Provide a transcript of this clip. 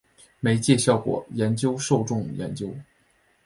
媒介效果研究受众研究